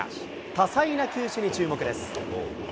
多彩な球種に注目です。